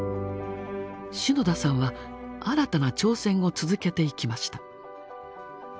篠田さんは新たな挑戦を続けていきました。